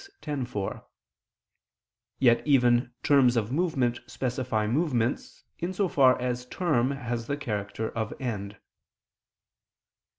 _ x, 4); yet even terms of movement specify movements, in so far as term has the character of end.